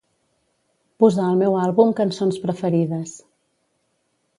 Posar el meu àlbum cançons preferides.